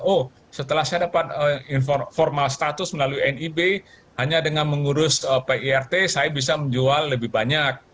oh setelah saya dapat formal status melalui nib hanya dengan mengurus pirt saya bisa menjual lebih banyak